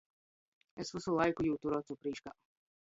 Es vysu laiku jū turu ocu prīškā.